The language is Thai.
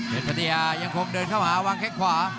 เจษฎียายังคงเดินเข้าหาวางแค่ขวา